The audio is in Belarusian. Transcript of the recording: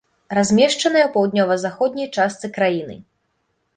Размешчаная ў паўднёва-заходняй частцы краіны.